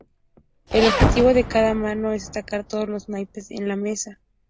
El objetivo de cada mano es descartar todos los naipes en la mesa.